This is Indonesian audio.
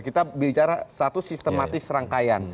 kita bicara satu sistematis rangkaian